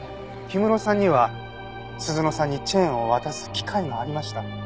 氷室さんには鈴乃さんにチェーンを渡す機会がありました。